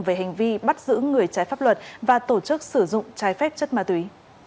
về hành vi bắt giữ người trái pháp luật và tổ chức sử dụng trái phép chất ma túy